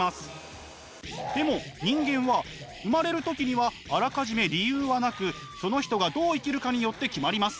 でも人間は生まれる時にはあらかじめ理由はなくその人がどう生きるかによって決まります。